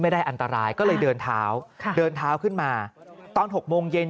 ได้อันตรายก็เลยเดินเท้าเดินเท้าขึ้นมาตอน๖โมงเย็น